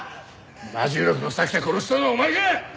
『魔銃録』の作者を殺したのはお前か！？